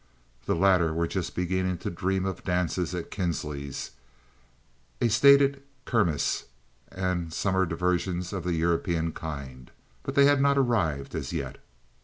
The latter were just beginning to dream of dances at Kinsley's, a stated Kirmess, and summer diversions of the European kind, but they had not arrived as yet.